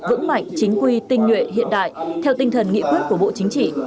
vững mạnh chính quy tinh nhuệ hiện đại theo tinh thần nghị quyết của bộ chính trị